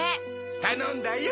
たのんだよ。